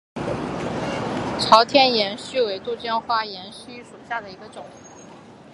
朝天岩须为杜鹃花科岩须属下的一个种。